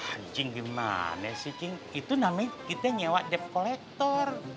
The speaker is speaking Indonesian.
ah jing gimana sih jing itu namanya kita nyewa debt collector